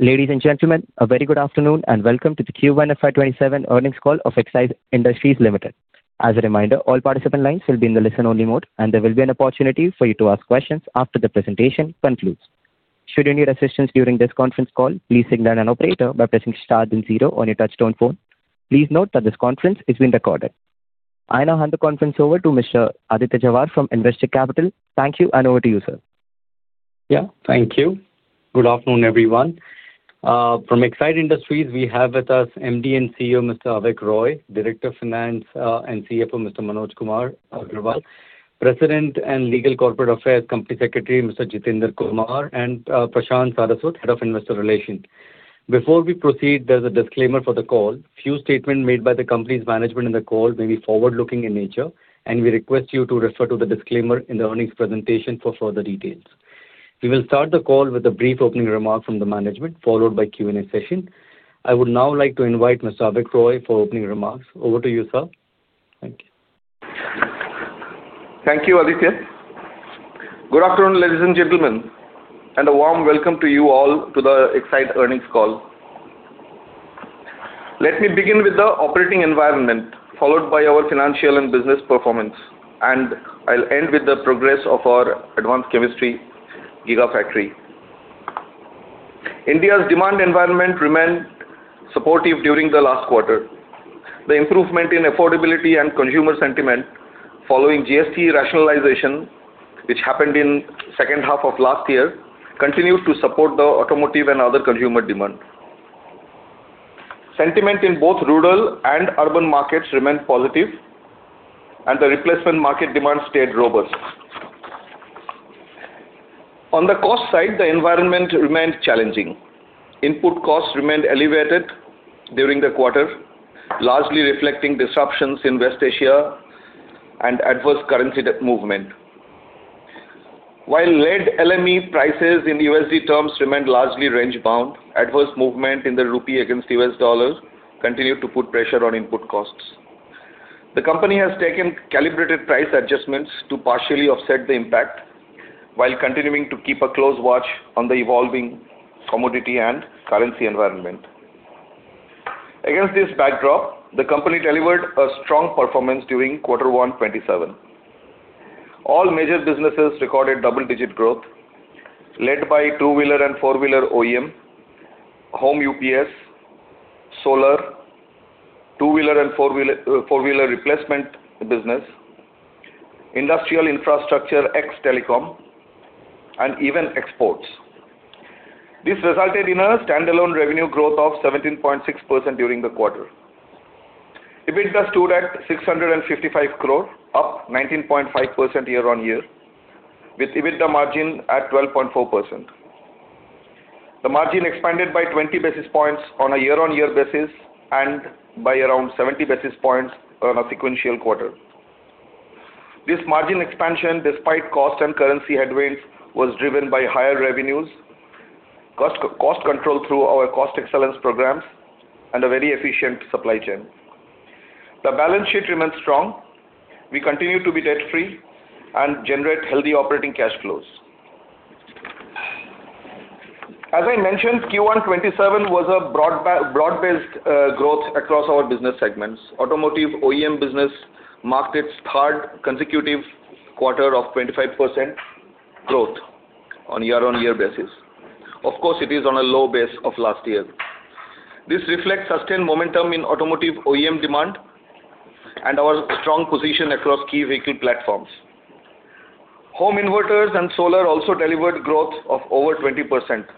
Ladies and gentlemen, a very good afternoon, and welcome to the Q1 fiscal year 2027 earnings call of Exide Industries Limited. As a reminder, all participant lines will be in the listen only mode, and there will be an opportunity for you to ask questions after the presentation concludes. Should you need assistance during this conference call, please signal an operator by pressing star then zero on your touch-tone phone. Please note that this conference is being recorded. I now hand the conference over to Mr. Aditya Jhawar from Investec Capital. Thank you, and over to you, sir. Yeah. Thank you. Good afternoon, everyone. From Exide Industries, we have with us Managing Director and Chief Executive Officer, Mr. Avik Roy, Director of Finance and Chief Financial Officer, Mr. Manoj Kumar Agarwal, President and Legal Corporate Affairs, Company Secretary, Mr. Jitendra Kumar, and Prashant Saraswat, Head of Investor Relations. Before we proceed, there is a disclaimer for the call. Few statements made by the company's management in the call may be forward-looking in nature, and we request you to refer to the disclaimer in the earnings presentation for further details. We will start the call with a brief opening remark from the management, followed by question-and-answer session. I would now like to invite Mr. Avik Roy for opening remarks. Over to you, sir. Thank you. Thank you, Aditya. Good afternoon, ladies and gentlemen, and a warm welcome to you all to the Exide earnings call. Let me begin with the operating environment, followed by our financial and business performance. I will end with the progress of our advanced chemistry gigafactory. India's demand environment remained supportive during the last quarter. The improvement in affordability and consumer sentiment following GST rationalization, which happened in second half of last year, continued to support the automotive and other consumer demand. Sentiment in both rural and urban markets remained positive, and the replacement market demand stayed robust. On the cost side, the environment remained challenging. Input costs remained elevated during the quarter, largely reflecting disruptions in West Asia and adverse currency movement. While lead LME prices in US dollar terms remained largely range-bound, adverse movement in the rupee against US dollar continued to put pressure on input costs. The company has taken calibrated price adjustments to partially offset the impact while continuing to keep a close watch on the evolving commodity and currency environment. Against this backdrop, the company delivered a strong performance during Q1 fiscal year 2027. All major businesses recorded double-digit growth led by two-wheeler and four-wheeler OEM, home UPS, solar, two-wheeler and four-wheeler replacement business, industrial infrastructure, ex-telecom, and even exports. This resulted in a standalone revenue growth of 17.6% during the quarter. EBITDA stood at 655 crore, up 19.5% year-on-year, with EBITDA margin at 12.4%. The margin expanded by 20 basis points on a year-on-year basis and by around 70 basis points on a sequential quarter. This margin expansion, despite cost and currency headwinds, was driven by higher revenues, cost control through our cost excellence programs, and a very efficient supply chain. The balance sheet remains strong. We continue to be debt free and generate healthy operating cash flows. As I mentioned, Q1 2027 was a broad-based growth across our business segments. Automotive OEM business marked its third consecutive quarter of 25% growth on year-on-year basis. Of course, it is on a low base of last year. This reflects sustained momentum in automotive OEM demand and our strong position across key vehicle platforms. Home inverters and solar also delivered growth of over 20%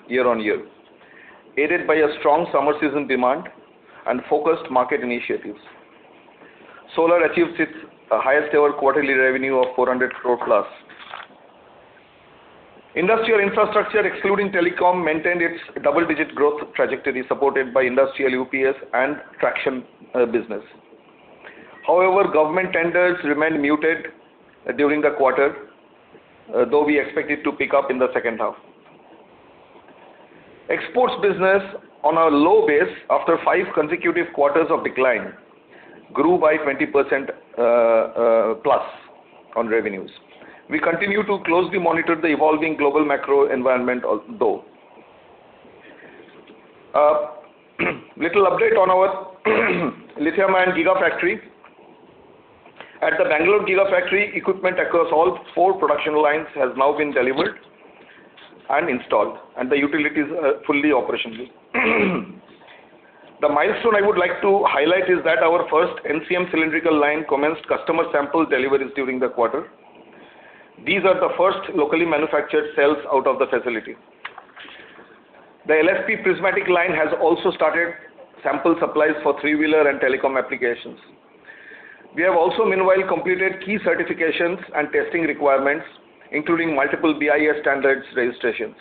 year-on-year, aided by a strong summer season demand and focused market initiatives. Solar achieves its highest ever quarterly revenue of 400+ crore. Industrial infrastructure, excluding telecom, maintained its double-digit growth trajectory supported by industrial UPS and traction business. However, government tenders remained muted during the quarter, though we expect it to pick up in the second half. Exports business on a low base after five consecutive quarters of decline grew by 20%+ on revenues. We continue to closely monitor the evolving global macro environment, though. A little update on our lithium-ion gigafactory. At the Bangalore gigafactory, equipment across all four production lines has now been delivered and installed, and the utilities are fully operational. The milestone I would like to highlight is that our first NCM cylindrical line commenced customer sample deliveries during the quarter. These are the first locally manufactured cells out of the facility. The LFP prismatic line has also started sample supplies for three-wheeler and telecom applications. We have also, meanwhile, completed key certifications and testing requirements, including multiple BIS standards registrations.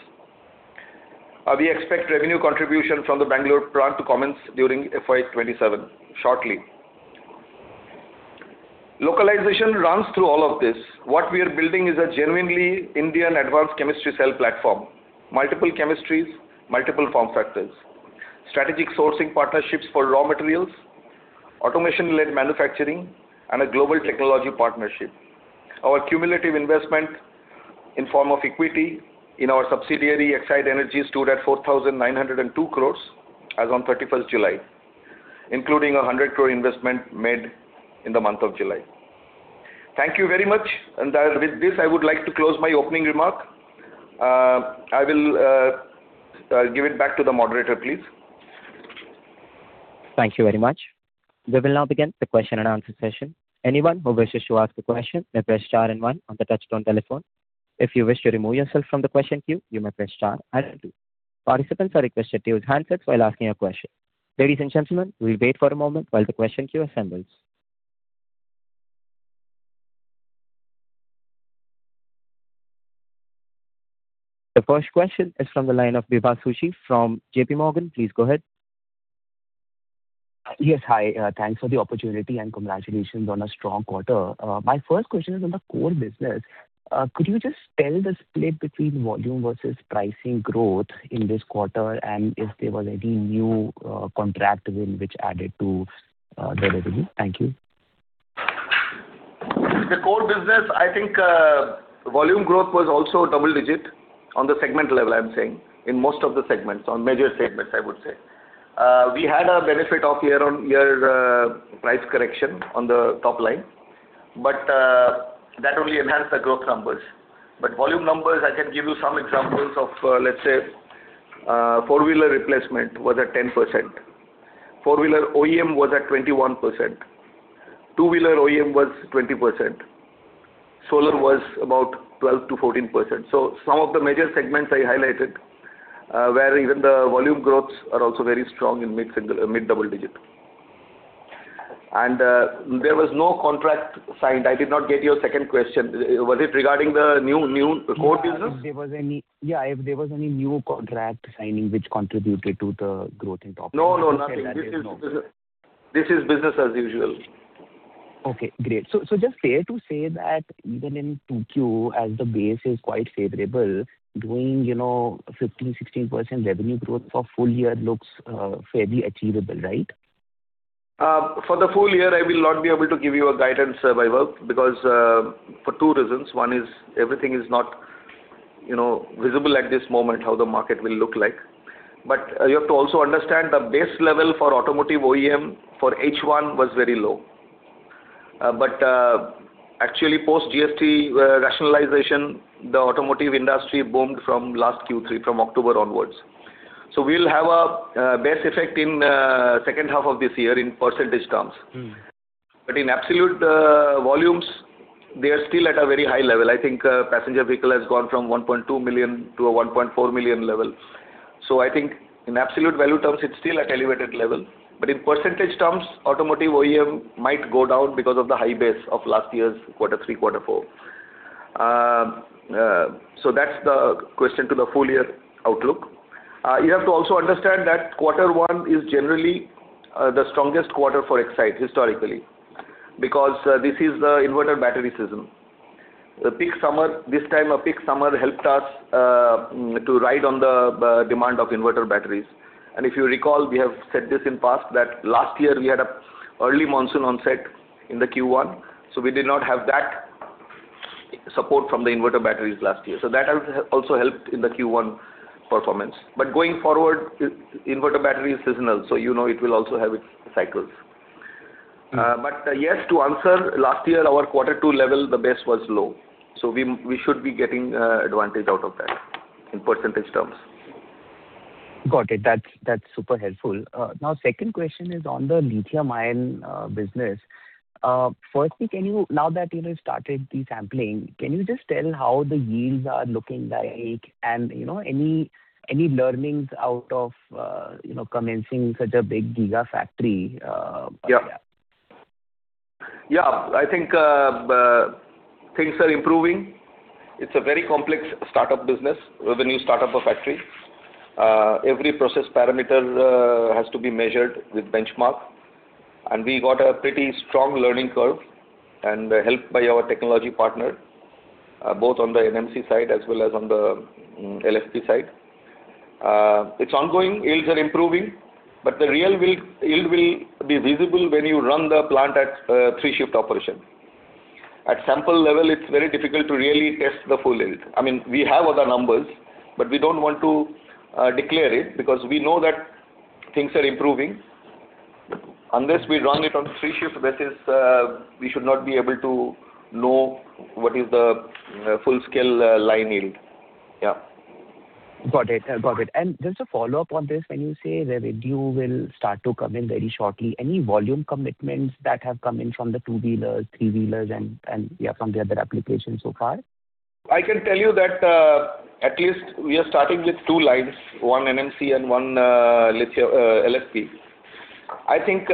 We expect revenue contribution from the Bangalore plant to commence during fiscal year 2027 shortly. Localization runs through all of this. What we are building is a genuinely Indian advanced chemistry cell platform, multiple chemistries, multiple form factors. Strategic sourcing partnerships for raw materials, automation-led manufacturing, and a global technology partnership. Our cumulative investment in form of equity in our subsidiary, Exide Energy, stood at 4,902 crore as on 31st July, including 100 crore investment made in the month of July. Thank you very much. With this, I would like to close my opening remark. I will give it back to the moderator, please. Thank you very much. We will now begin the question-and-answer session. Anyone who wishes to ask a question may press star one on the touchtone telephone. If you wish to remove yourself from the question queue, you may press star two. Participants are requested to use handsets while asking a question. Ladies and gentlemen, we will wait for a moment while the question queue assembles. The first question is from the line of Vibhav Zutshi from JPMorgan. Please go ahead. Yes. Hi. Thanks for the opportunity, and congratulations on a strong quarter. My first question is on the core business. Could you just tell the split between volume versus pricing growth in this quarter? If there were any new contract win which added to the revenue? Thank you. The core business, I think volume growth was also double-digit on the segment level, I'm saying, in most of the segments, on major segments, I would say. We had a benefit of year-on-year price correction on the top line. That only enhanced the growth numbers. Volume numbers, I can give you some examples of, let's say, four-wheeler replacement was at 10%. Four-wheeler OEM was at 21%. Two-wheeler OEM was 20%. Solar was about 12%-14%. Some of the major segments I highlighted where even the volume growths are also very strong in mid double-digit. There was no contract signed. I did not get your second question. Was it regarding the new core business? Yeah, if there was any new contract signing which contributed to the growth in top line. No. This is business as usual. Okay, great. Just fair to say that even in 2Q, as the base is quite favorable, doing 15%-16% revenue growth for full year looks fairly achievable, right? For the full year, I will not be able to give you a guidance, Vibhav, for two reasons. One is everything is not visible at this moment, how the market will look like. You have to also understand the base level for automotive OEM for H1 was very low. Actually, post GST rationalization, the automotive industry boomed from last Q3, from October onwards. We'll have a base effect in second half of this year in percentage terms. In absolute volumes, they are still at a very high level. I think passenger vehicle has gone from 1.2 million-1.4 million level. I think in absolute value terms, it's still at elevated level, but in percentage terms, automotive OEM might go down because of the high base of last year's quarter three, quarter four. That's the question to the full year outlook. You have to also understand that quarter one is generally the strongest quarter for Exide historically, because this is the inverter battery season. This time a peak summer helped us to ride on the demand of inverter batteries. If you recall, we have said this in past that last year we had an early monsoon onset in the Q1, we did not have that support from the inverter batteries last year. That also helped in the Q1 performance. Going forward, inverter battery is seasonal, you know it will also have its cycles. Yes, to answer, last year our quarter two level, the base was low, we should be getting advantage out of that in percentage terms. Got it. That's super helpful. Second question is on the lithium ion business. Now that you have started the sampling, can you just tell how the yields are looking like and any learnings out of commencing such a big giga factory? I think things are improving. It's a very complex start-up business when you start up a factory. Every process parameter has to be measured with benchmark. We got a pretty strong learning curve, and helped by our technology partner, both on the NMC side as well as on the LFP side. It's ongoing. Yields are improving. The real yield will be visible when you run the plant at three shift operation. At sample level, it's very difficult to really test the full yield. We have other numbers. We don't want to declare it, because we know that things are improving. Unless we run it on three shifts basis, we should not be able to know what is the full scale line yield. Got it. Just a follow-up on this. When you say revenue will start to come in very shortly, any volume commitments that have come in from the two-wheelers, three-wheelers, and from the other applications so far? I can tell you that at least we are starting with two lines, one NMC and one LFP. I think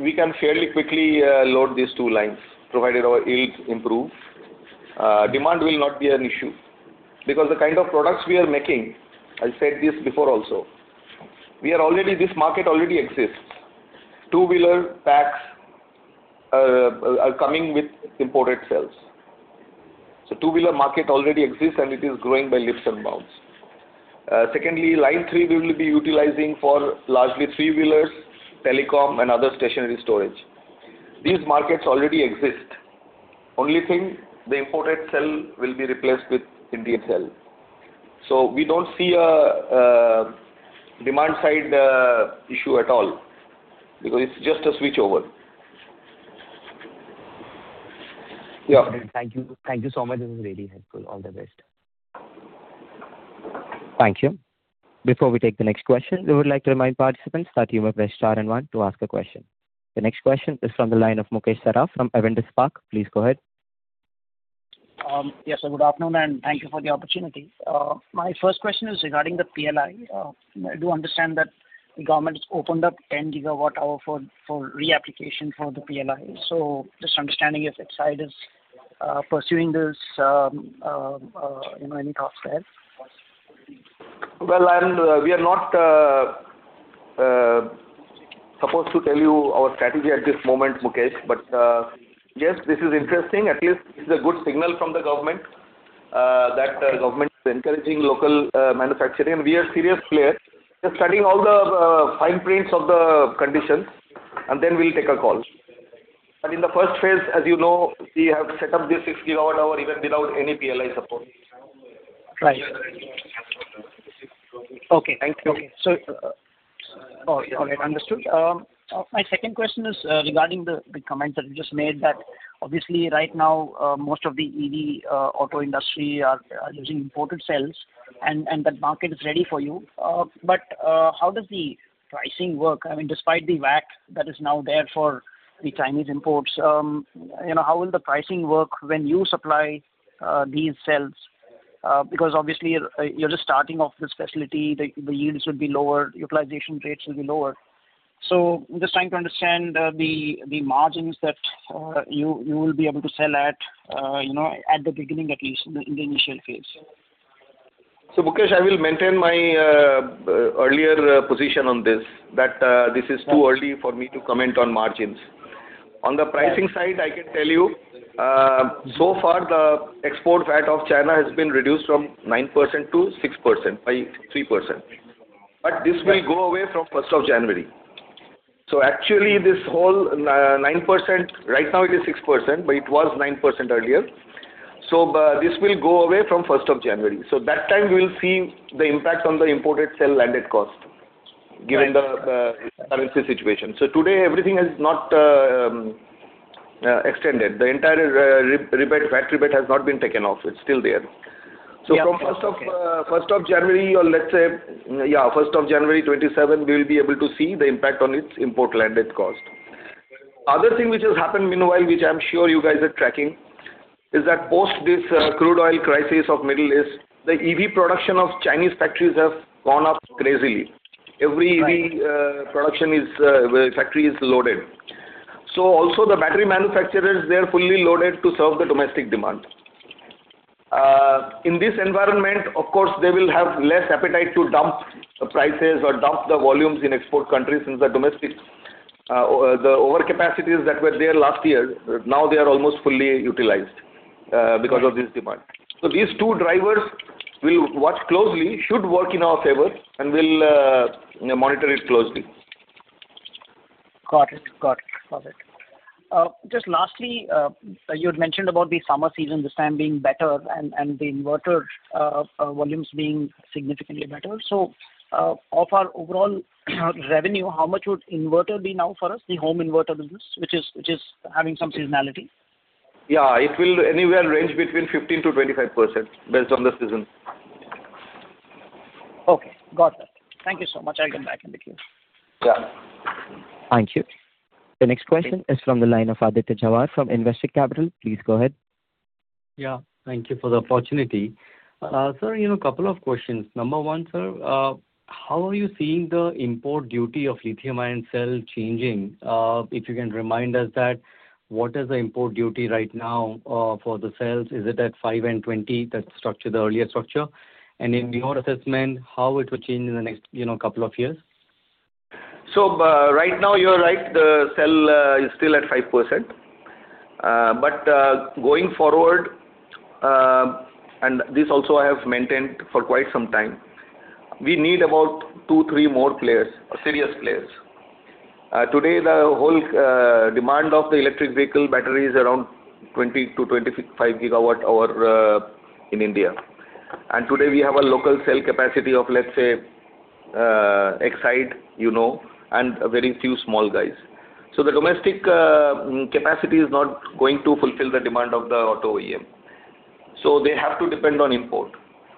we can fairly quickly load these two lines, provided our yields improve. Demand will not be an issue, because the kind of products we are making, I said this before also, this market already exists. Two-wheeler packs are coming with imported cells. Two-wheeler market already exists, and it is growing by leaps and bounds. Line three, we will be utilizing for largely three-wheelers, telecom, and other stationary storage. These markets already exist. Only thing, the imported cell will be replaced with Indian cell. We don't see a demand side issue at all, because it's just a switchover. Thank you. Thank you so much. This is really helpful. All the best. Thank you. Before we take the next question, we would like to remind participants that you may press star and one to ask a question. The next question is from the line of Mukesh Saraf from Avendus Spark. Please go ahead. Yes, sir. Good afternoon, and thank you for the opportunity. My first question is regarding the PLI. I do understand that the government has opened up 10 gigawatt hour for reapplication for the PLI. Just understanding if Exide is pursuing this, any thoughts there? Well, we are not supposed to tell you our strategy at this moment, Mukesh. Yes, this is interesting. At least this is a good signal from the government that the government is encouraging local manufacturing, and we are serious players. We're studying all the fine prints of the conditions and then we'll take a call. In the first phase, as you know, we have set up this six gigawatt hour even without any PLI support. Right. Okay. Thank you. Okay. Understood. My second question is regarding the comment that you just made that obviously right now, most of the EV auto industry are using imported cells, and that market is ready for you. How does the pricing work? Despite the VAT that is now there for the Chinese imports, how will the pricing work when you supply these cells? Because obviously, you're just starting off this facility. The yields will be lower, utilization rates will be lower. I'm just trying to understand the margins that you will be able to sell at the beginning, at least in the initial phase. Mukesh, I will maintain my earlier position on this, that this is too early for me to comment on margins. On the pricing side, I can tell you so far the export VAT of China has been reduced from 9%-6%, by 3%. This will go away from January 1st. Actually, right now it is 6%, but it was 9% earlier. This will go away from January 1st. That time we will see the impact on the imported cell landed cost, given the currency situation. Today, everything has not extended. The entire VAT rebate has not been taken off. It's still there. Yeah, okay. From 1st of January 2027, we will be able to see the impact on its import landed cost. Other thing which has happened meanwhile, which I'm sure you guys are tracking, is that post this crude oil crisis of Middle East, the EV production of Chinese factories have gone up crazily. Every EV factory is loaded. Also the battery manufacturers, they are fully loaded to serve the domestic demand. In this environment, of course, they will have less appetite to dump prices or dump the volumes in export countries since the overcapacities that were there last year, now they are almost fully utilized because of this demand. These two drivers we'll watch closely, should work in our favor, and we'll monitor it closely. Got it. Just lastly, you had mentioned about the summer season this time being better and the inverter volumes being significantly better. Of our overall revenue, how much would inverter be now for us, the home inverter business, which is having some seasonality? It will anywhere range between 15%-25% based on the season. Okay, got it. Thank you so much. I'll get back in the queue. Yeah. Thank you. The next question is from the line of Aditya Jhawar from Investec Capital. Please go ahead. Thank you for the opportunity. Sir, a couple of questions. Number one, sir, how are you seeing the import duty of lithium ion cell changing? If you can remind us that what is the import duty right now for the cells? Is it at 5% and 20%? That's the earlier structure. In your assessment, how it will change in the next couple of years? Right now, you're right, the cell is still at 5%. Going forward, this also I have maintained for quite some time, we need about two, three more players, serious players. Today, the whole demand of the electric vehicle battery is around 20 GWh-25 GWh in India. Today we have a local cell capacity of, let's say, Exide, you know, and very few small guys. The domestic capacity is not going to fulfill the demand of the auto OEM. They have to depend on import.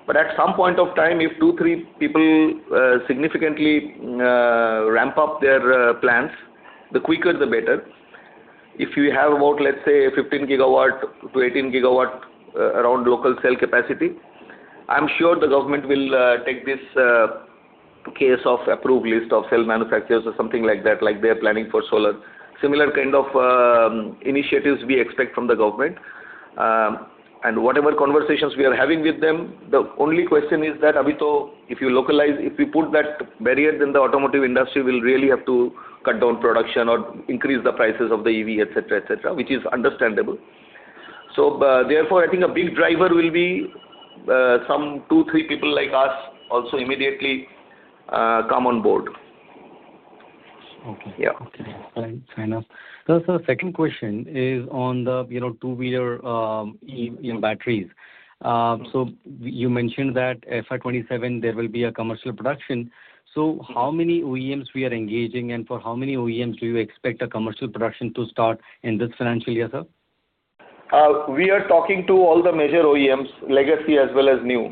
At some point of time, if two, three people significantly ramp up their plants, the quicker the better. If you have about, let's say, 15-18 gigawatt around local cell capacity, I'm sure the government will take this case of approved list of cell manufacturers or something like that, like they're planning for solar. Similar kind of initiatives we expect from the government. Whatever conversations we are having with them, the only question is that, if you localize, if we put that barrier, then the automotive industry will really have to cut down production or increase the prices of the EV, et cetera, which is understandable. Therefore, I think a big driver will be some two, three people like us also immediately come on board. Okay. Yeah. Okay. Fair enough. Sir, second question is on the two-wheeler EV batteries. You mentioned that fiscal year 2027 there will be a commercial production. How many OEMs we are engaging, and for how many OEMs do you expect a commercial production to start in this financial year, sir? We are talking to all the major OEMs, legacy as well as new.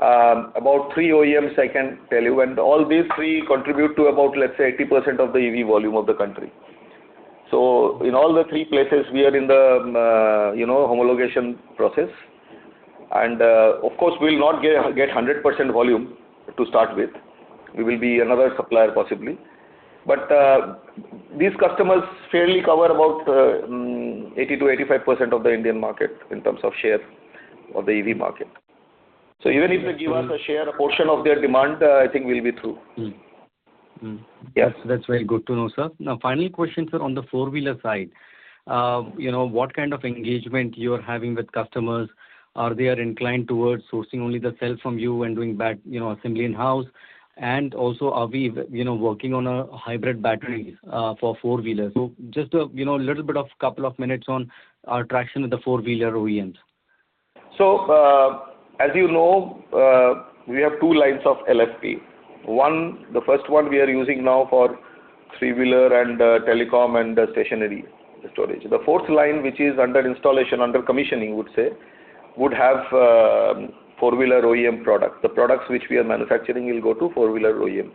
About three OEMs I can tell you, and all these three contribute to about, let's say, 80% of the EV volume of the country. In all the three places we are in the homologation process. Of course, we'll not get 100% volume to start with. We will be another supplier, possibly. These customers fairly cover about 80%-85% of the Indian market in terms of share of the EV market. Even if they give us a share, a portion of their demand, I think we'll be through. Yes. That's very good to know, sir. Now, final question, sir, on the four-wheeler side. What kind of engagement you are having with customers? Are they inclined towards sourcing only the cell from you and doing assembly in-house? Also, are we working on a hybrid battery for four-wheeler? Just a little bit of couple of minutes on our traction with the four-wheeler OEMs. As you know, we have two lines of LFP. The first one we are using now for three-wheeler and telecom and stationary storage. The fourth line, which is under installation, under commissioning I would say, would have four-wheeler OEM product. The products which we are manufacturing will go to four-wheeler OEM.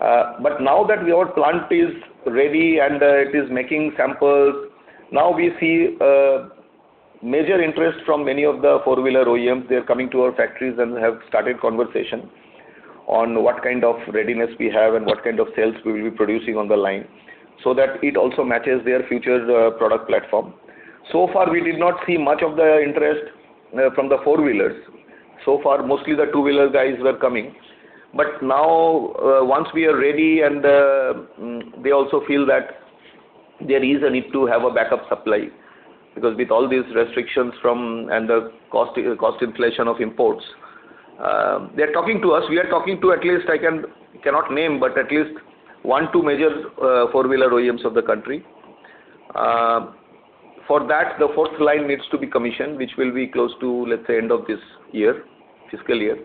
Now that our plant is ready and it is making samples, we see major interest from many of the four-wheeler OEMs. They are coming to our factories and have started conversation on what kind of readiness we have and what kind of sales we will be producing on the line, so that it also matches their future product platform. So far, we did not see much of the interest from the four-wheelers. So far, mostly the two-wheeler guys were coming. Now, once we are ready and they also feel that there is a need to have a backup supply, because with all these restrictions from, and the cost inflation of imports. They are talking to us. We are talking to at least, I cannot name, but at least one, two major four-wheeler OEMs of the country. For that, the fourth line needs to be commissioned, which will be close to, let's say, end of this year, fiscal year.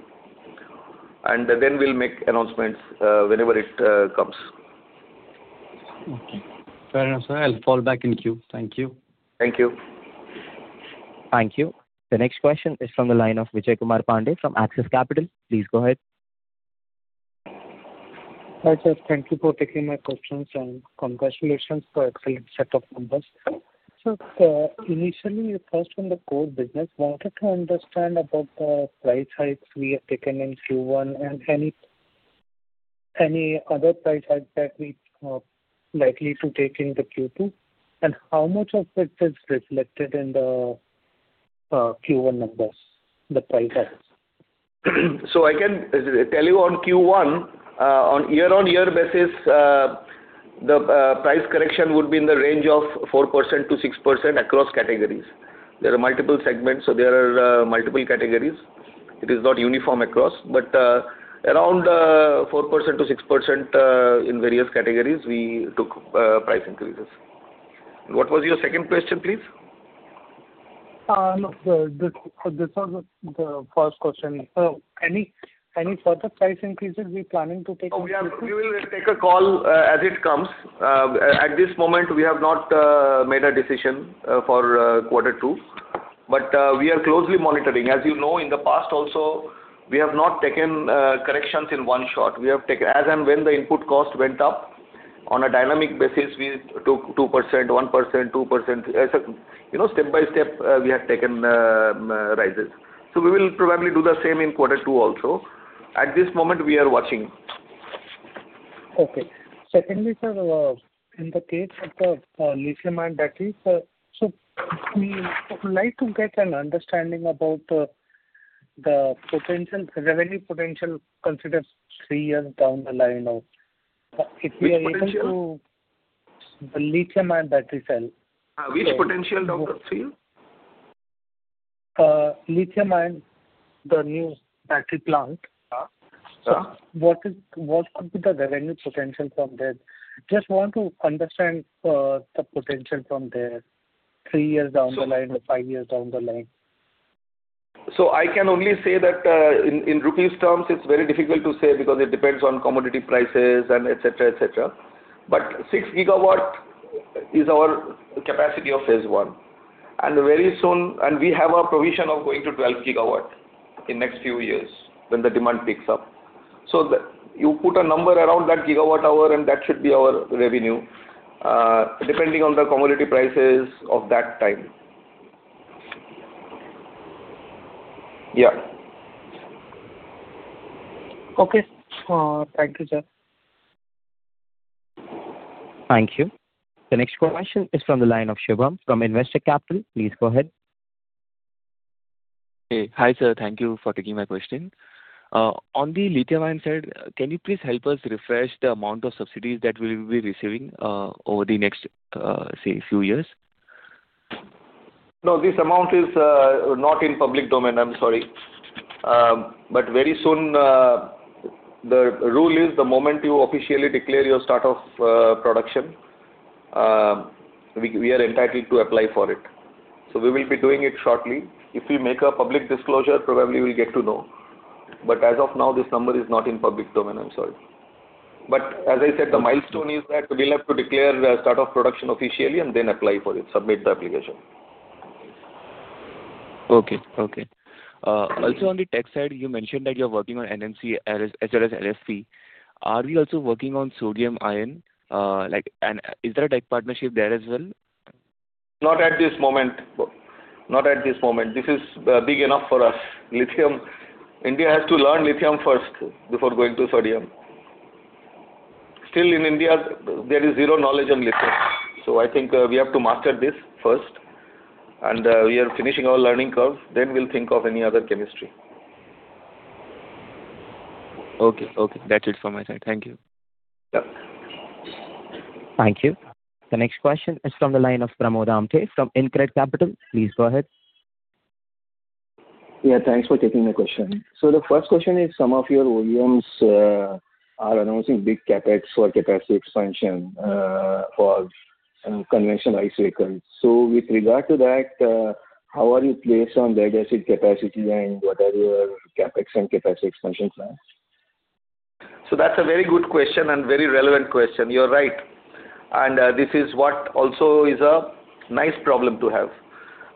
Okay. We will make announcements whenever it comes. Okay. Fair enough, sir. I will fall back in queue. Thank you. Thank you. Thank you. The next question is from the line of Vijay Kumar Pandey from Axis Capital. Please go ahead. Hi, sir. Thank you for taking my questions, congratulations for excellent set of numbers. Sir, initially, first on the core business, wanted to understand about the price hikes we have taken in Q1 any other price hikes that we are likely to take in the Q2, how much of it is reflected in the Q1 numbers, the price hikes? I can tell you on Q1, on year-on-year basis, the price correction would be in the range of 4%-6% across categories. There are multiple segments, there are multiple categories. It is not uniform across. Around 4%-6% in various categories, we took price increases. What was your second question, please? No, sir, this was the first question. Sir, any further price increases we planning to take- We will take a call as it comes. At this moment, we have not made a decision for Quarter Two, but we are closely monitoring. As you know, in the past also, we have not taken corrections in one shot. As and when the input cost went up, on a dynamic basis, we took 2%, 1%, 2%. As a step by step, we have taken rises. We will probably do the same in Quarter Two also. At this moment, we are watching. Okay. Secondly, sir, in the case of the lithium-ion batteries, sir, we would like to get an understanding about the potential, revenue potential, consider three years down the line now. If we are able to- Which potential? The lithium-ion battery cell. Which potential, Dr. Singh? Lithium-ion, the new battery plant. Sir. What could be the revenue potential from there? Just want to understand the potential from there, three years down the line or five years down the line. I can only say that, in INR terms, it's very difficult to say because it depends on commodity prices and et cetera. Six gigawatt is our capacity of phase 1. Very soon, we have a provision of going to 12 gigawatt in next few years when the demand picks up. You put a number around that gigawatt hour, and that should be our revenue, depending on the commodity prices of that time. Yeah. Okay. Thank you, sir. Thank you. The next question is from the line of Shubham from Investec Capital. Please go ahead. Hey. Hi, sir. Thank you for taking my question. On the lithium ion side, can you please help us refresh the amount of subsidies that we'll be receiving over the next, say, few years? No, this amount is not in public domain, I'm sorry. Very soon, the rule is the moment you officially declare your start of production, we are entitled to apply for it. We will be doing it shortly. If we make a public disclosure, probably you'll get to know. As of now, this number is not in public domain, I'm sorry. As I said, the milestone is that we'll have to declare the start of production officially and then apply for it, submit the application. Okay. Also, on the tech side, you mentioned that you're working on NMC as well as LFP. Are we also working on sodium ion? Is there a tech partnership there as well? Not at this moment. This is big enough for us. India has to learn lithium first before going to sodium. Still, in India, there is zero knowledge on lithium, so I think we have to master this first, and we are finishing our learning curve, then we'll think of any other chemistry. Okay. That's it from my side. Thank you. Yeah. Thank you. The next question is from the line of Pramod Amthe from InCred Capital. Please go ahead. Yeah, thanks for taking my question. The first question is, some of your OEMs are announcing big CapEx for capacity expansion for conventional IC vehicles. With regard to that, how are you placed on lead acid capacity and what are your CapEx and capacity expansion plans? That's a very good question and very relevant question. You're right, and this is what also is a nice problem to have.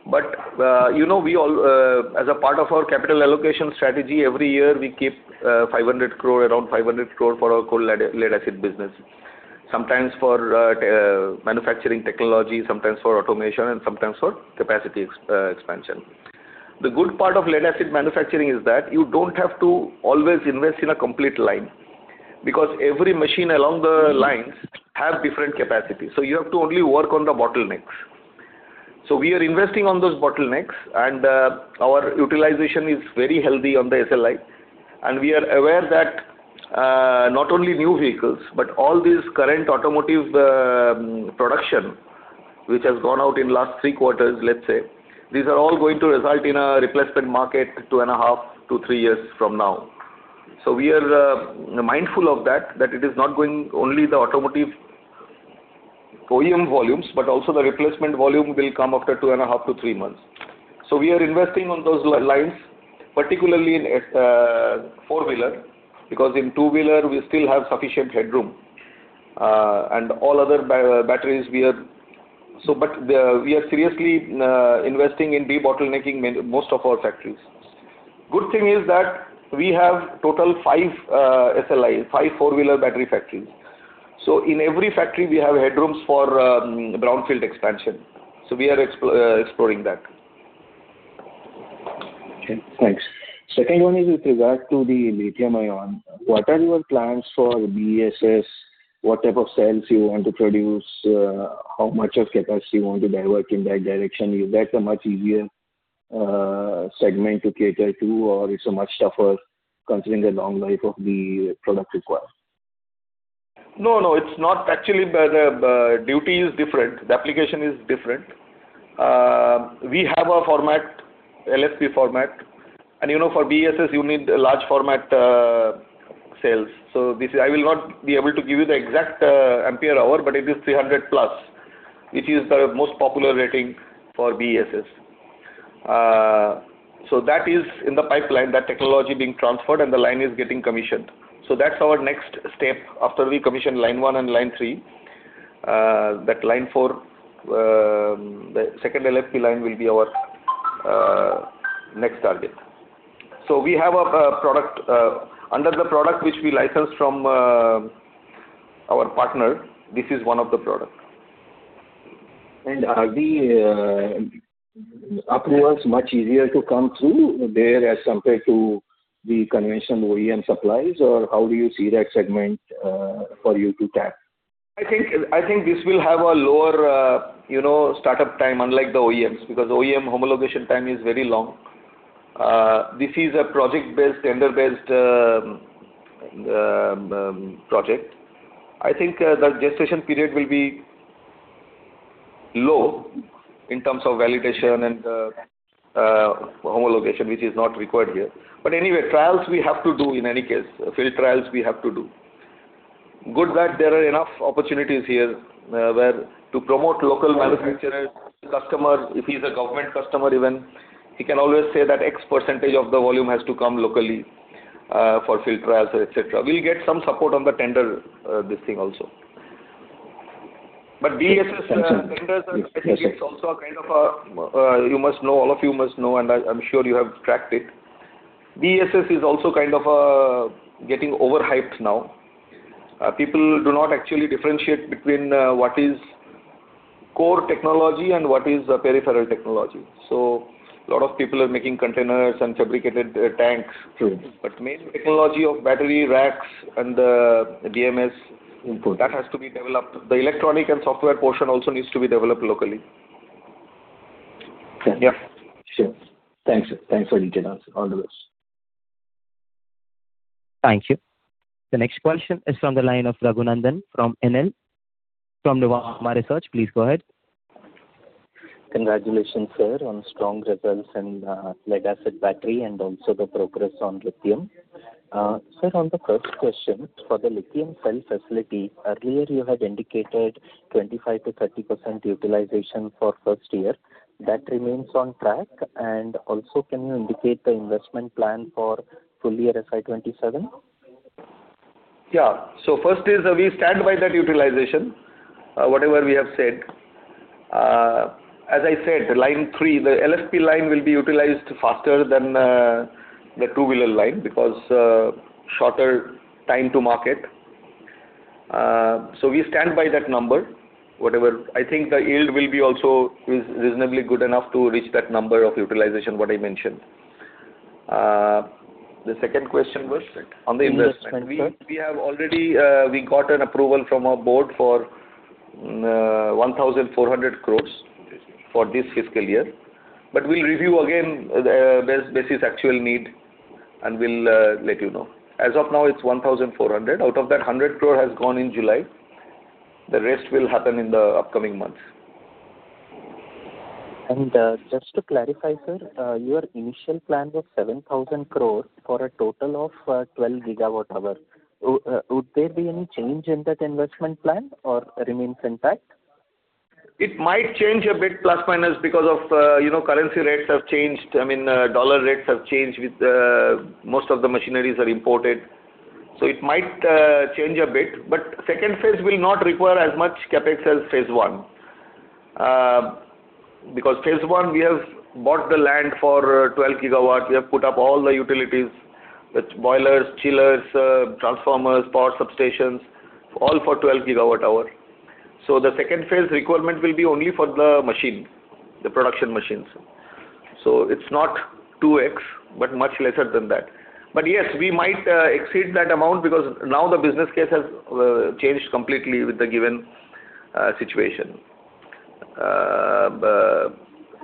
As a part of our capital allocation strategy, every year we keep around 500 crore for our core lead acid business, sometimes for manufacturing technology, sometimes for automation, and sometimes for capacity expansion. The good part of lead acid manufacturing is that you don't have to always invest in a complete line, because every machine along the lines have different capacities. You have to only work on the bottlenecks. We are investing on those bottlenecks, and our utilization is very healthy on the SLI, and we are aware that not only new vehicles, but all these current automotive production, which has gone out in last 3 quarters, let's say, these are all going to result in a replacement market 2.5 years to three years from now. We are mindful of that, it is not going only the automotive OEM volumes, but also the replacement volume will come 2.5 months to three months. We are investing on those lines, particularly in four-wheeler, because in two-wheeler, we still have sufficient headroom, and all other batteries we are. We are seriously investing in de-bottlenecking most of our factories. Good thing is that we have total five SLIs, five four-wheeler battery factories. In every factory we have headrooms for brownfield expansion, we are exploring that. Okay, thanks. Second one is with regard to the lithium-ion. What are your plans for BESS? What type of cells you want to produce? How much of capacity you want to divert in that direction? Is that a much easier segment to cater to, or it's much tougher considering the long life of the product required? No, it's not. The duty is different, the application is different. We have a LFP format, and you know for BESS, you need large format cells. I will not be able to give you the exact ampere hour, but it is 300+, which is the most popular rating for BESS. That is in the pipeline, that technology being transferred and the line is getting commissioned. That's our next step after we commission Line 1 and Line 3, that Line 4, the second LFP line will be our next target. Under the product which we licensed from our partner, this is one of the products. Are the approvals much easier to come through there as compared to the conventional OEM supplies, or how do you see that segment for you to tap? I think this will have a lower startup time, unlike the OEMs, because OEM homologation time is very long. This is a project-based, tender-based project. I think the gestation period will be low in terms of validation and homologation, which is not required here. Anyway, trials we have to do in any case. Field trials we have to do. Good that there are enough opportunities here where to promote local manufacturers, customer, if he's a government customer even, he can always say that X% of the volume has to come locally, for field trials, et cetera. We'll get some support on the tender, this thing also. BESS- Thank you tenders are getting, it's also a kind of a, all of you must know, and I'm sure you have tracked it. BESS is also kind of getting overhyped now. People do not actually differentiate between what is core technology and what is peripheral technology. A lot of people are making containers and fabricated tanks. Main technology of battery racks and the BMS Input. That has to be developed. The electronic and software portion also needs to be developed locally. Sure. Thanks, sir. Thanks for the detailed answer. All the best. Thank you. The next question is from the line of Raghu Nandan from Nuvama Research. Please go ahead. Congratulations, sir, on strong results in lead-acid battery, also the progress on lithium. Sir, on the first question, for the lithium cell facility, earlier you had indicated 25%-30% utilization for first year. That remains on track? Also, can you indicate the investment plan for full year fiscal year 2027? First is, we stand by that utilization, whatever we have said. As I said, Line 3, the LFP line will be utilized faster than the two-wheeler line, because, shorter time to market. We stand by that number. I think the yield will be also reasonably good enough to reach that number of utilization what I mentioned. The second question was? On the investment. We got an approval from our board for 1,400 crore for this fiscal year. We will review again, basis actual need, and we will let you know. As of now, it is 1,400 crore. Out of that, 100 crore has gone in July. The rest will happen in the upcoming months. Just to clarify sir, your initial plan was 7,000 crore for a total of 12 GWh. Would there be any change in that investment plan or remains intact? It might change a bit, 12 GWh because currency rates have changed. I mean, U.S. dollar rates have changed with most of the machineries are imported. It might change a bit, phase II will not require as much CapEx as phase I. Phase I, we have bought the land for 12 GW. We have put up all the utilities, the boilers, chillers, transformers, power substations, all for 12 GWh. The phase II requirement will be only for the machine, the production machines. It is not 2x, but much lesser than that. Yes, we might exceed that amount because now the business case has changed completely with the given situation.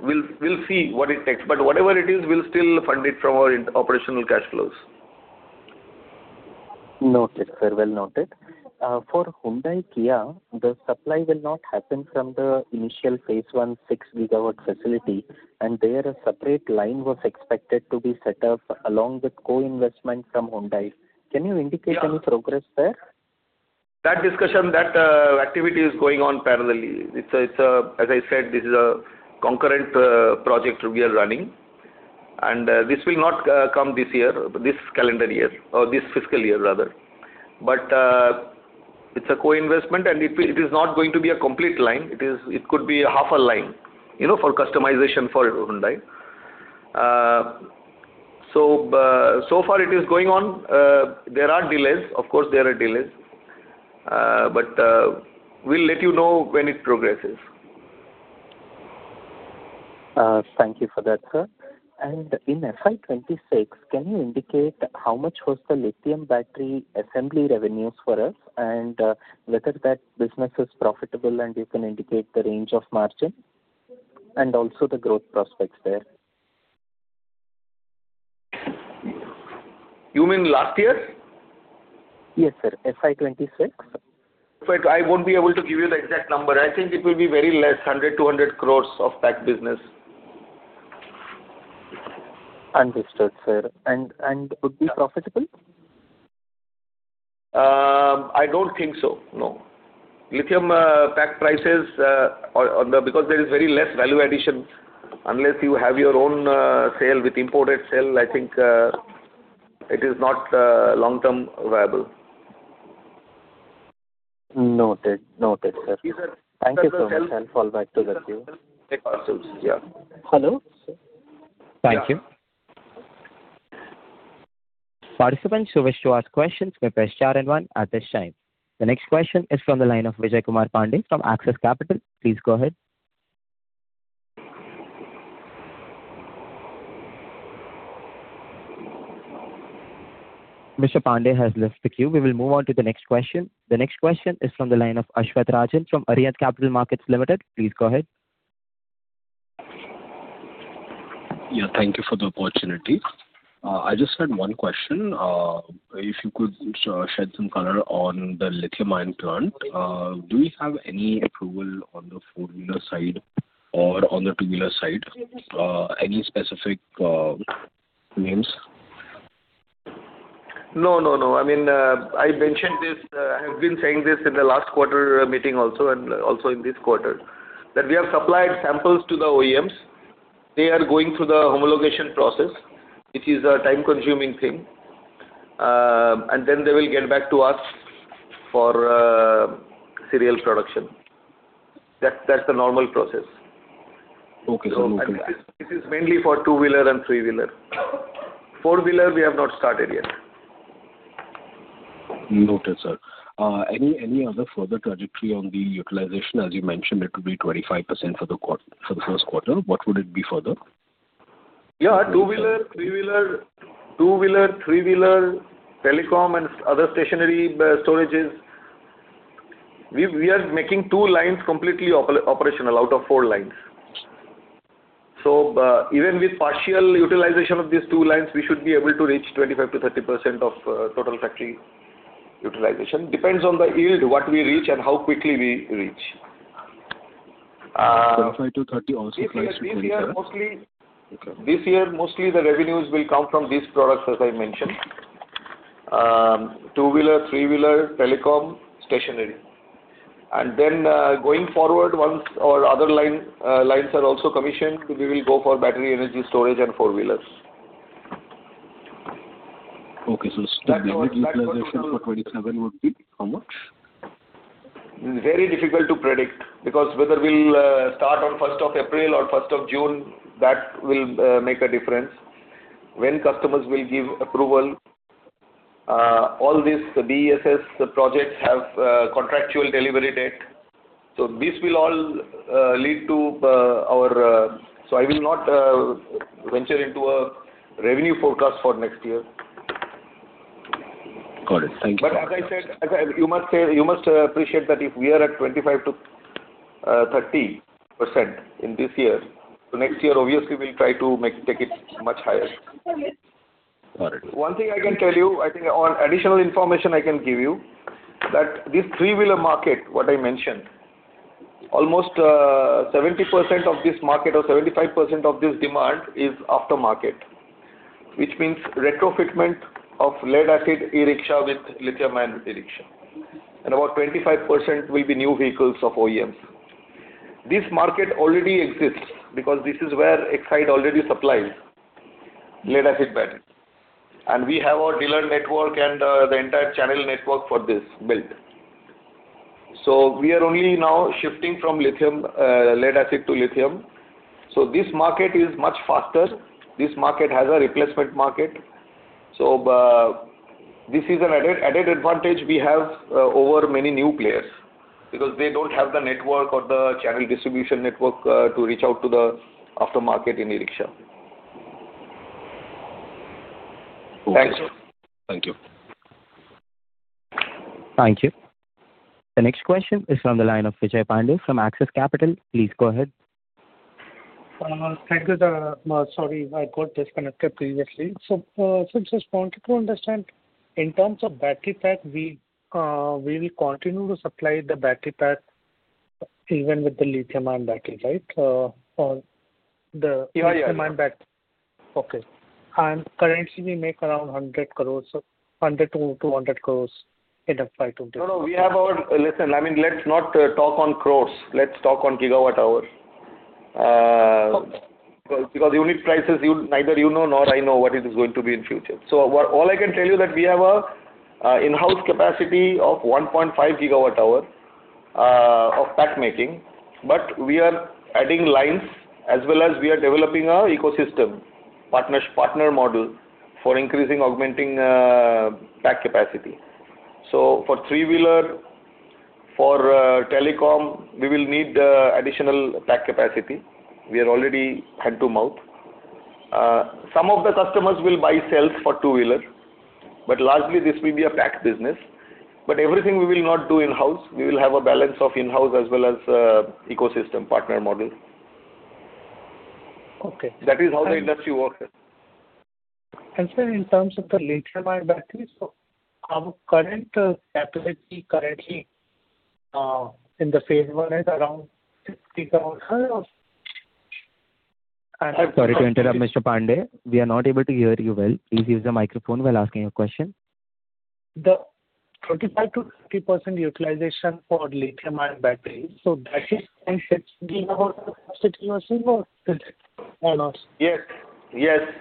We will see what it takes, but whatever it is, we will still fund it from our operational cash flows. Noted, sir. Well noted. For Hyundai Kia, the supply will not happen from the initial phase 1 six gigawatt facility, and there a separate line was expected to be set up along with co-investment from Hyundai. Can you indicate any progress there? That discussion, that activity is going on parallelly. As I said, this is a concurrent project we are running, and this will not come this year, this calendar year, or this fiscal year, rather. It's a co-investment, and it is not going to be a complete line. It could be half a line, for customization for Hyundai. So far it is going on. There are delays. Of course, there are delays. We'll let you know when it progresses. Thank you for that, sir. In fiscal year 2026, can you indicate how much was the lithium battery assembly revenues for us, and whether that business is profitable, and you can indicate the range of margin, and also the growth prospects there? You mean last year? Yes, sir. fiscal year 2026. I won't be able to give you the exact number. I think it will be very less, 100 crore, 200 crore of pack business. Understood, sir. Would be profitable? I don't think so, no. Lithium pack prices, because there is very less value addition. Unless you have your own cell with imported cell, I think, it is not long-term viable. Noted. Noted, sir. Thank you so much. I'll fall back to the queue. Yeah. Hello? Thank you. Participants who wish to ask questions may press star and one at this time. The next question is from the line of Vijay Kumar Pandey from Axis Capital. Please go ahead. Mr. Pandey has left the queue. We will move on to the next question. The next question is from the line of Ashvath Rajan from Arihant Capital Markets Limited. Please go ahead. Yeah, thank you for the opportunity. I just had one question. If you could shed some color on the lithium-ion plant. Do we have any approval on the four-wheeler side or on the two-wheeler side? Any specific names? No, no. I mentioned this, I have been saying this in the last quarter meeting also, and also in this quarter, that we have supplied samples to the OEMs. They are going through the homologation process, which is a time-consuming thing. They will get back to us for serial production. That's the normal process. Okay. This is mainly for two-wheeler and three-wheeler. Four-wheeler, we have not started yet. Noted, sir. Any other further trajectory on the utilization? As you mentioned, it will be 25% for the first quarter. What would it be further? Yeah, two-wheeler, three-wheeler, telecom, and other stationary storages. We are making two lines completely operational out of four lines. Even with partial utilization of these two lines, we should be able to reach 25%-30% of total factory utilization. Depends on the yield, what we reach, and how quickly we reach. 25%-30% also applies to 2027. Okay. This year, mostly the revenues will come from these products, as I mentioned. Two-wheeler, three-wheeler, telecom, stationary. Going forward, once our other lines are also commissioned, we will go for battery energy storage and four-wheelers. Okay. Still the utilization for 2027 would be how much? Very difficult to predict, because whether we'll start on April 1st or June 1st, that will make a difference. When customers will give approval. All these BESS projects have contractual delivery date. I will not venture into a revenue forecast for next year. Got it. Thank you. As I said, you must appreciate that if we are at 25%-30% in this year, next year, obviously, we'll try to take it much higher. Got it. One thing I can tell you, I think on additional information I can give you, that this three-wheeler market, what I mentioned, almost 70% of this market or 75% of this demand is aftermarket, which means retrofitting of lead-acid e-rickshaw with lithium-ion e-rickshaw, and about 25% will be new vehicles of OEMs. This market already exists because this is where Exide already supplies lead-acid battery, and we have our dealer network and the entire channel network for this built. We are only now shifting from lead-acid to lithium. This market is much faster. This market has a replacement market. This is an added advantage we have over many new players, because they don't have the network or the channel distribution network to reach out to the aftermarket in e-rickshaw. Okay. Thank you. The next question is on the line of Vijay Pandey from Axis Capital. Please go ahead. Thank you. Sorry, I got disconnected previously. Just wanted to understand, in terms of battery pack, we will continue to supply the battery pack even with the lithium-ion battery, right? Yeah. Lithium-ion battery. Okay. Currently, we make around INR 100 crore, so INR 100 crore-INR 200 crore. Listen, let's not talk on crores. Let's talk on gigawatt hour. Okay. Because unit prices, neither you know nor I know what it is going to be in future. All I can tell you that we have an in-house capacity of 1.5 GWh of pack making, but we are adding lines as well as we are developing our ecosystem, partner model, for increasing, augmenting pack capacity. For three-wheeler, for telecom, we will need additional pack capacity. We are already hand-to-mouth. Some of the customers will buy cells for two-wheeler, but largely this will be a pack business. Everything we will not do in-house. We will have a balance of in-house as well as ecosystem partner model. Okay. That is how the industry works. Sir, in terms of the lithium-ion batteries, our current capacity currently, in the phase I is around 50 GWh or Sorry to interrupt, Mr. Pandey. We are not able to hear you well. Please use the microphone while asking your question. The 25%-30% utilization for lithium-ion batteries, that is in [inaudible] capacity or not? Yes.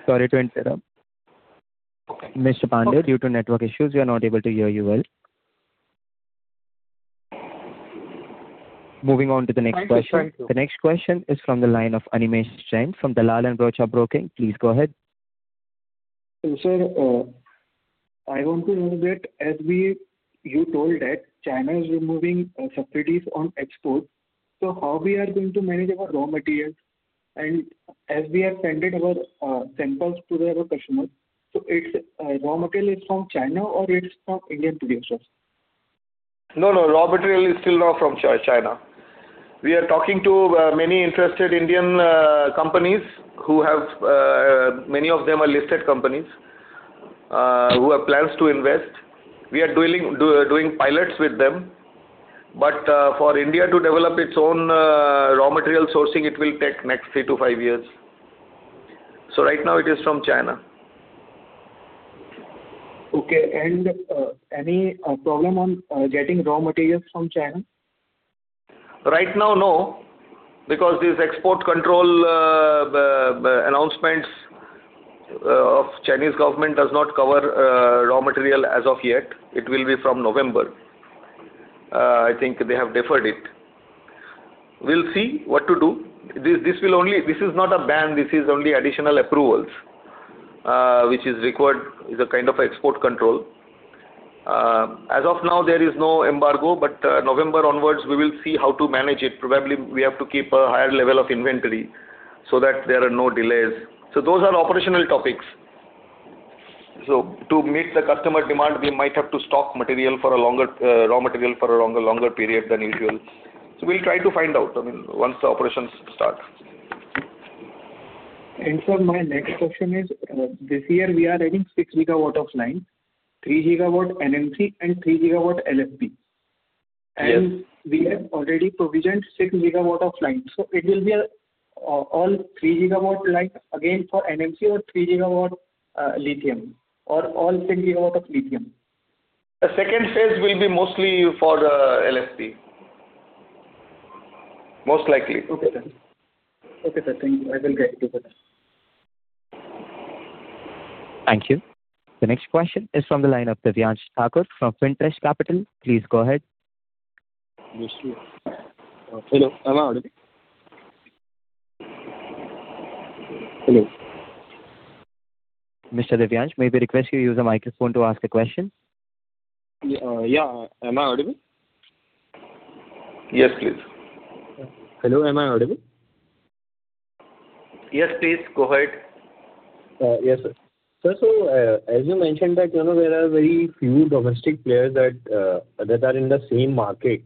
Sorry to interrupt. Okay. Mr. Pandey, due to network issues, we are not able to hear you well. Moving on to the next question. I will try to. The next question is from the line of Animesh Jain from Dalal & Broacha Stock Broking. Please go ahead. Sir, I want to know that as you told that China is removing subsidies on exports, how we are going to manage our raw materials? As we have sent our samples to our customers, raw material is from China or it's from Indian producers? No, raw material is still now from China. We are talking to many interested Indian companies. Many of them are listed companies, who have plans to invest. We are doing pilots with them. For India to develop its own raw material sourcing, it will take next three to five years. Right now it is from China. Okay. Any problem on getting raw materials from China? Right now, no, because these export control announcements of Chinese government does not cover raw material as of yet. It will be from November. I think they have deferred it. We'll see what to do. This is not a ban. This is only additional approvals, which is required, is a kind of export control. As of now, there is no embargo, but November onwards, we will see how to manage it. Probably, we have to keep a higher level of inventory so that there are no delays. Those are operational topics. To meet the customer demand, we might have to stock raw material for a longer period than usual. We'll try to find out once the operations start. Sir, my next question is, this year we are adding 6 GW of line, 3 GW NMC and three gigawatt LFP. Yes. We have already provisioned 6 GW of line. It will be all 3 GW line again for NMC or three gigawatt lithium or all 6 GW of lithium. The second phase will be mostly for LFP. Most likely. Okay, sir. Thank you. I will get into that. Thank you. The next question is from the line of Divyansh Thakur from Fintech Capital. Please go ahead. Yes. Hello, am I audible? Hello? Mr. Divyansh, may I request you use a microphone to ask a question? Yeah. Am I audible? Yes, please. Hello, am I audible? Yes, please. Go ahead. Yes, sir. As you mentioned that there are very few domestic players that are in the same market.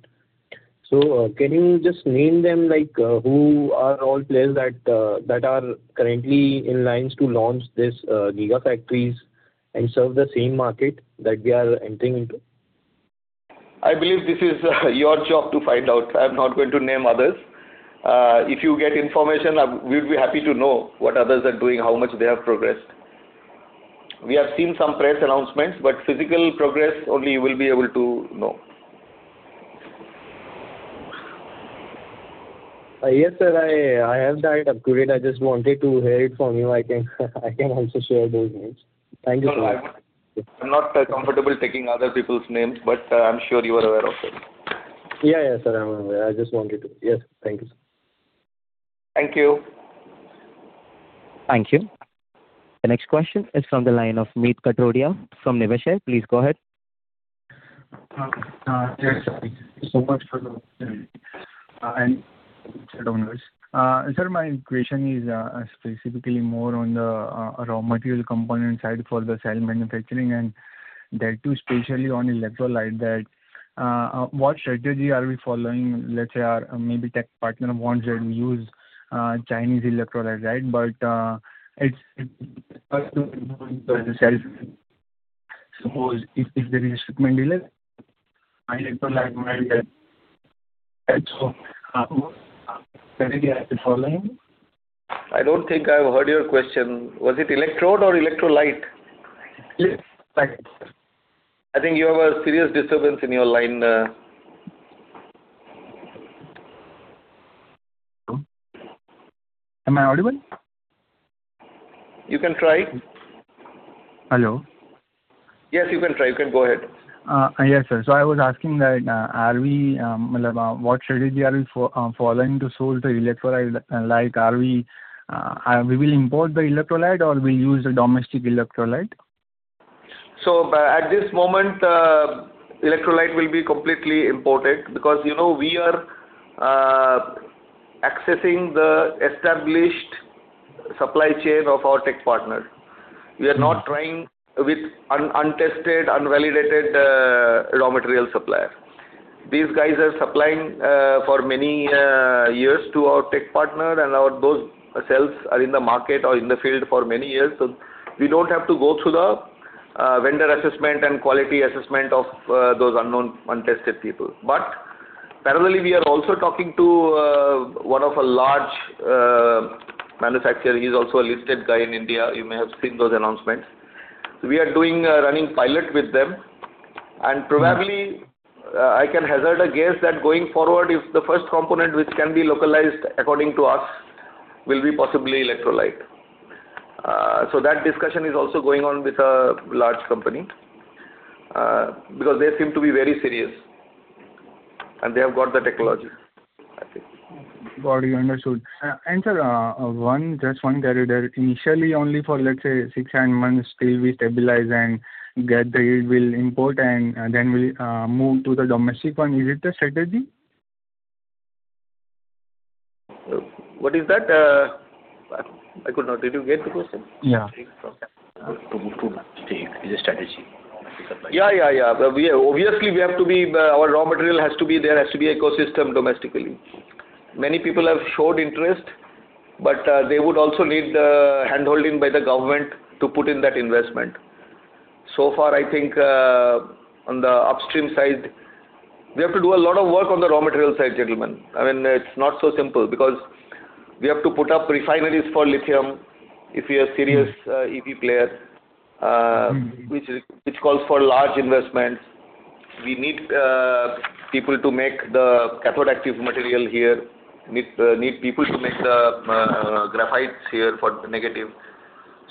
Can you just name them, who are all players that are currently in lines to launch these gigafactories and serve the same market that we are entering into? I believe this is your job to find out. I'm not going to name others. If you get information, we'd be happy to know what others are doing, how much they have progressed. We have seen some press announcements, but physical progress only you will be able to know. Yes, sir, I have that up to date. I just wanted to hear it from you. I can also share those names. Thank you, sir. No, I'm not comfortable taking other people's names, but I'm sure you are aware of them. Yeah, sir. I am aware. I just wanted to Yes. Thank you, sir. Thank you. Thank you. The next question is from the line of Meet Kathuria from Niveshaay. Please go ahead. Yes. Thank you so much for the opportunity. Sir, my question is specifically more on the raw material component side for the cell manufacturing and that too, especially on electrolyte, that what strategy are we following, let's say our maybe tech partner wants that we use Chinese electrolytes, right? Suppose if there is shipment delay, our electrolyte might get. What strategy are we following? I don't think I've heard your question. Was it electrode or electrolyte? Electrolyte. I think you have a serious disturbance in your line. Hello. Am I audible? You can try. Hello. Yes, you can try. You can go ahead. Yes, sir. I was asking that, what strategy are we following to source the electrolyte? We will import the electrolyte or we'll use a domestic electrolyte? At this moment, electrolyte will be completely imported because we are accessing the established supply chain of our tech partner. We are not trying with untested, unvalidated raw material supplier. These guys are supplying for many years to our tech partner and those cells are in the market or in the field for many years. We don't have to go through the vendor assessment and quality assessment of those unknown, untested people. Parallelly, we are also talking to one of a large manufacturer. He's also a listed guy in India. You may have seen those announcements. We are doing, running pilot with them, and probably, I can hazard a guess that going forward, if the first component which can be localized according to us will be possibly electrolyte. That discussion is also going on with a large company, because they seem to be very serious, and they have got the technology, I think. Got you. Understood. Sir, just one query there. Initially, only for let's say six, seven months till we stabilize and get the bulk import, then we'll move to the domestic one. Is it the strategy? What is that? I could not. Did you get the question? Yeah. To take this strategy. Yeah. Obviously, there has to be ecosystem domestically. Many people have showed interest, but they would also need handholding by the government to put in that investment. Far, I think, on the upstream side, we have to do a lot of work on the raw material side, gentlemen. It's not so simple because we have to put up refineries for lithium if we are serious EV player, which calls for large investments. We need people to make the cathode active material here, need people to make the graphites here for the negative.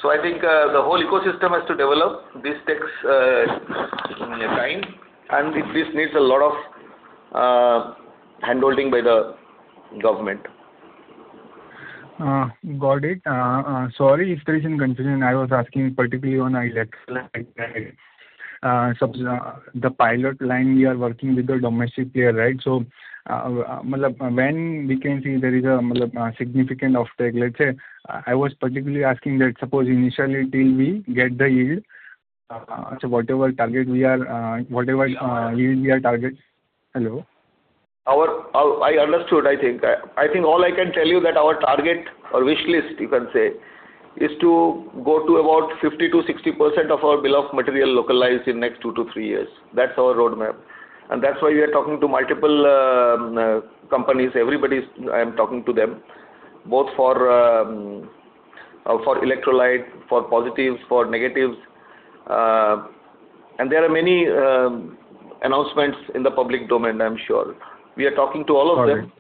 I think, the whole ecosystem has to develop. This takes time, and this needs a lot of handholding by the government Got it. Sorry if there is any confusion. I was asking particularly on electrolytes. The pilot line, you are working with a domestic player, right? When we can see there is a significant offtake, let's say, I was particularly asking that suppose initially till we get the yield, whatever yield we are target Hello? I understood, I think. I think all I can tell you that our target or wish list, you can say, is to go to about 50%-60% of our bill of material localized in next two to three years. That's our roadmap. That's why we are talking to multiple companies. Everybody, I'm talking to them, both for electrolyte, for positives, for negatives. There are many announcements in the public domain, I'm sure. We are talking to all of them.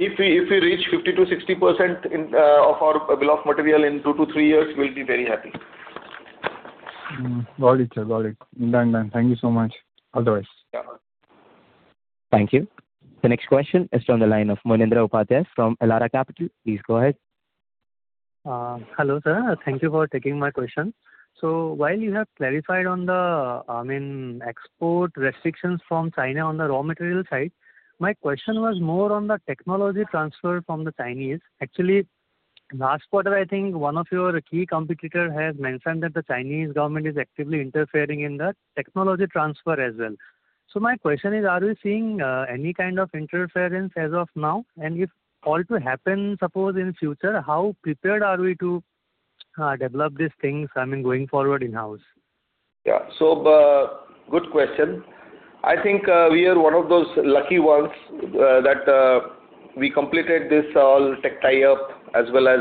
Got it. If we reach 50%-60% of our bill of material in two to three years, we'll be very happy. Got it, sir. Done. Thank you so much. All the best. Yeah. Thank you. The next question is on the line of Monendra Upadhyay from Elara Capital. Please go ahead. Hello, sir. Thank you for taking my question. While you have clarified on the export restrictions from China on the raw material side, my question was more on the technology transfer from the Chinese. Actually, last quarter, I think one of your key competitor has mentioned that the Chinese government is actively interfering in the technology transfer as well. My question is, are we seeing any kind of interference as of now? If all to happen, suppose, in future, how prepared are we to develop these things, I mean, going forward in-house? Yeah. Good question. I think we are one of those lucky ones, that we completed this all tech tie-up as well as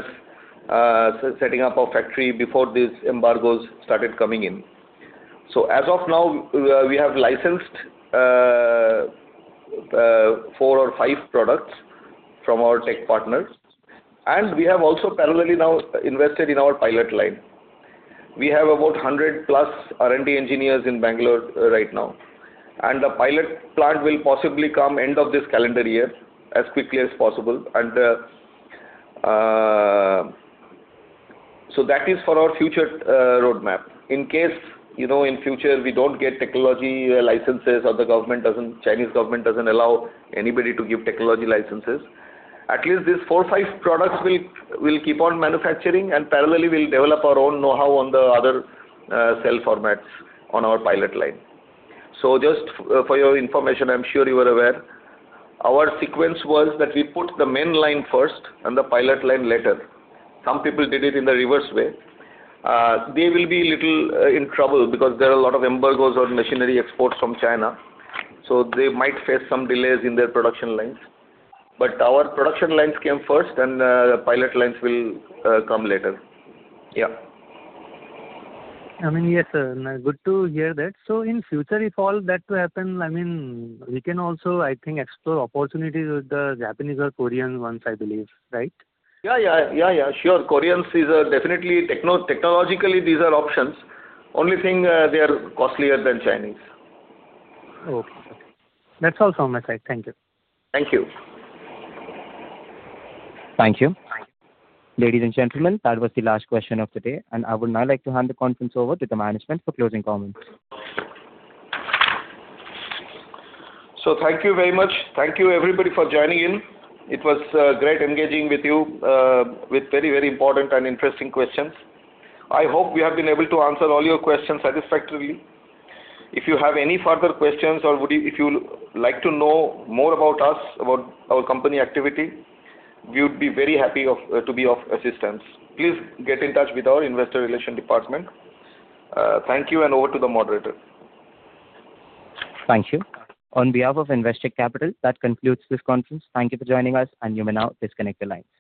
setting up our factory before these embargoes started coming in. As of now, we have licensed four or five products from our tech partners, and we have also parallely now invested in our pilot line. We have about 100+ R&D engineers in Bangalore right now, and the pilot plant will possibly come end of this calendar year, as quickly as possible. That is for our future roadmap. In case, in future we don't get technology licenses or the Chinese government doesn't allow anybody to give technology licenses, at least these four or five products we'll keep on manufacturing, and parallely, we'll develop our own knowhow on the other cell formats on our pilot line. Just for your information, I'm sure you are aware, our sequence was that we put the main line first and the pilot line later. Some people did it in the reverse way. They will be little in trouble because there are a lot of embargoes on machinery exports from China, so they might face some delays in their production lines. Our production lines came first, and the pilot lines will come later. I mean, yes, sir. Good to hear that. In future, if all that to happen, we can also, I think, explore opportunities with the Japanese or Korean ones, I believe, right? Sure. Koreans is definitely, technologically, these are options. Only thing, they are costlier than Chinese. Okay. That's all from my side. Thank you. Thank you. Thank you. Ladies and gentlemen, that was the last question of the day, and I would now like to hand the conference over to the management for closing comments. Thank you very much. Thank you, everybody, for joining in. It was great engaging with you, with very important and interesting questions. I hope we have been able to answer all your questions satisfactorily. If you have any further questions or if you like to know more about us, about our company activity, we would be very happy to be of assistance. Please get in touch with our investor relation department. Thank you, and over to the moderator. Thank you. On behalf of Investec Capital, that concludes this conference. Thank you for joining us, and you may now disconnect your lines.